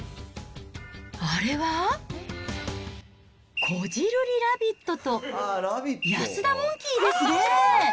あれは、こじるりラビットと、安田モンキーですね。